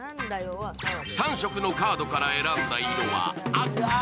３色のカードから選んだ色は赤。